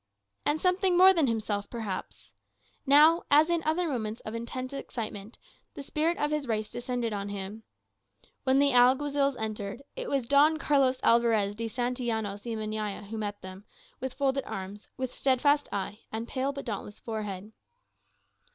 And something more than himself perhaps. Now, as in other moments of intense excitement, the spirit of his race descended on him. When the Alguazils entered, it was Don Carlos Alvarez de Santillanos y Meñaya who met them, with folded arms, with steadfast eye, and pale but dauntless forehead.